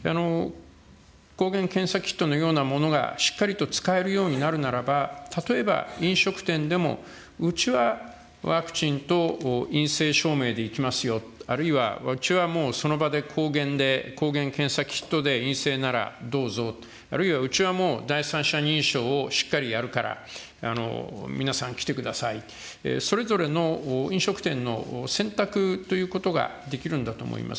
抗原検査キットのようなものが、しっかりと使えるようになるならば、例えば飲食店でも、うちはワクチンと陰性証明でいきますよ、あるいは、うちはもうその場で抗原で、抗原検査キットで陰性ならどうぞ、あるいはうちはもう、第三者認証をしっかりやるから、皆さん来てください、それぞれの飲食店の選択ということができるんだと思います。